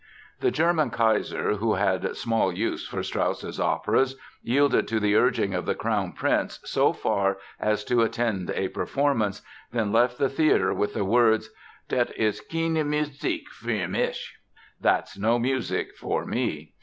The German Kaiser, who had small use for Strauss's operas, yielded to the urging of the Crown Prince so far as to attend a performance, then left the theatre with the words: "Det is keene Musik für mich!" ("That's no music for me!")